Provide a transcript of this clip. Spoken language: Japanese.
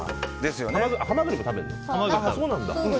ハマグリも食べるの？